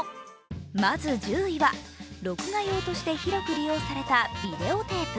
まず１０位は、録画用として広く利用されたビデオテープ。